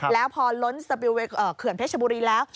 แล้วพอล้นสปิลเขื่อนเพชรบุรีแล้ว